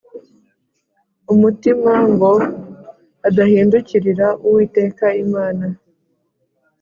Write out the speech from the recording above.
umutima ngo adahindukirira Uwiteka Imana